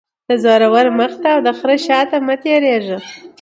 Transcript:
- د زورور مخ ته او دخره شاته مه تیریږه.